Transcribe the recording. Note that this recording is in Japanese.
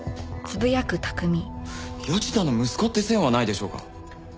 谷内田の息子って線はないでしょうか？